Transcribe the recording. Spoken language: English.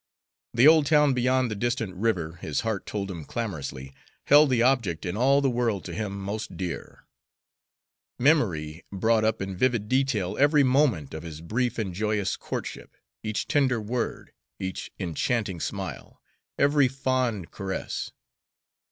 The old town beyond the distant river, his heart told him clamorously, held the object in all the world to him most dear. Memory brought up in vivid detail every moment of his brief and joyous courtship, each tender word, each enchanting smile, every fond caress.